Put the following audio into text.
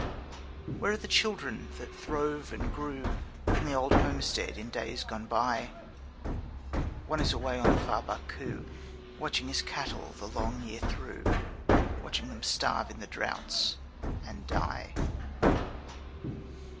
Where are the children that throve and grew In the old homestead in days gone by? One is away on the far Barcoo Watching his cattle the long year through, Watching them starve in the droughts and die.